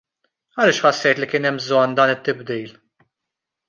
Għaliex ħassejt li kien hemm bżonn dan it-tibdil?